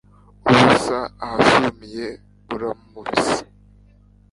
Ubusa ahasumiye buramubisa